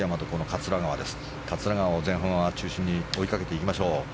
桂川を中心に前半は追いかけていきましょう。